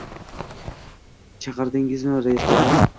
— Chaqirdingizmi, rais bova?